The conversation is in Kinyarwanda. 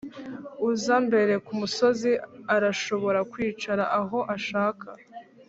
uza mbere kumusozi arashobora kwicara aho ashaka.